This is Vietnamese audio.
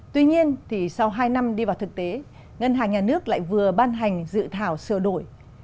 tuy nhiên sau hai năm đi vào thực tế ngân hàng nhà nước lại vừa ban hành dự thảo sửa đổi